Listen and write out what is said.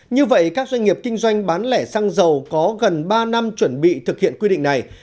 như vậy các doanh nghiệp kinh doanh bán lẻ xăng dầu có gần ba năm chuẩn bị thực hiện quy định này